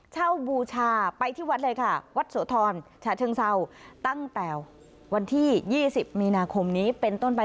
เช่าบูชาไปที่วัดเลยค่ะวัดโสธรฉะเชิงเศร้าตั้งแต่วันที่๒๐มีนาคมนี้เป็นต้นไป